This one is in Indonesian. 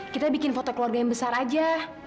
kita bikin foto keluarga yang besar aja